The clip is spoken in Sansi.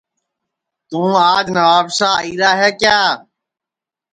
توں آج نوابشاہ آئیرا ہے کیا